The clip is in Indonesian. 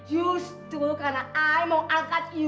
justru karena ayah mau angkat ilmu